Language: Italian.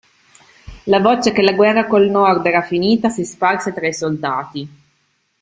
La voce che la guerra col Nord era finita si sparse tra i soldati.